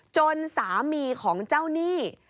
จนสามีของเจ้าหนี้